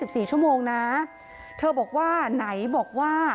มีแต่เสียงตุ๊กแก่กลางคืนไม่กล้าเข้าห้องน้ำด้วยซ้ำ